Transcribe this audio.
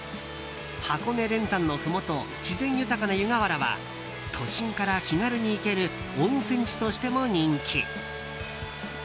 箱根連山のふもと自然豊かな湯河原は都心から気軽に行ける温泉地としても人気。